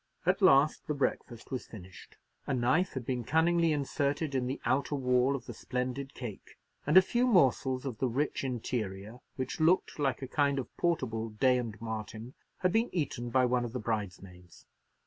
At last the breakfast was finished. A knife had been cunningly inserted in the outer wall of the splendid cake, and a few morsels of the rich interior, which looked like a kind of portable Day and Martin, had been eaten by one of the bridesmaids.